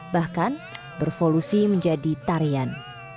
bahkan bervolusi menjadi tarian